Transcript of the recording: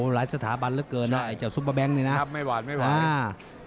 หลายสถาบันเหลือเกินนะไอ้เจ้าซุปเปอร์แบงค์นี่นะครับไม่หวานไม่ไหวอ่า